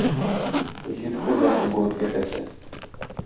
Җир хуҗасы булып яшәсә!